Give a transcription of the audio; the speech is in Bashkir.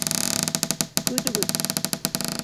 Көтөгөҙ!